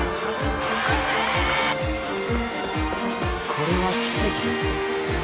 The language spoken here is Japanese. これは奇跡です。